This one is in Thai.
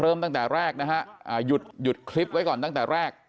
เริ่มตั้งแต่แรกนะฮะหยุดคลิปไว้ก่อนตั้งแต่แรก